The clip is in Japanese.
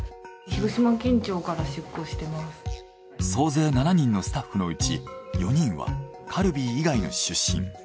総勢７人のスタッフのうち４人はカルビー以外の出身。